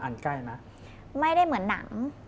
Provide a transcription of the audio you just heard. ใกล้ไหมไม่ได้เหมือนหนัง